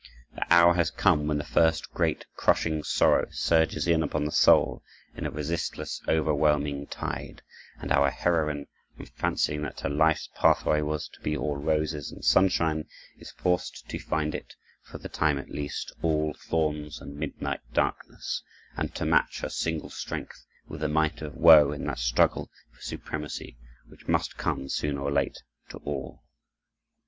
The hour has come when the first great, crushing sorrow surges in upon the soul, in a resistless, overwhelming tide; and our heroine, from fancying that her life's pathway was to be all roses and sunshine, is forced to find it, for the time at least, all thorns and midnight darkness, and to match her single strength with the might of woe in that struggle for supremacy which must come soon or late to all.